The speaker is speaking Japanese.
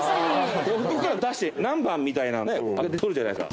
ここから出して何番みたいなね開けて取るじゃないですか。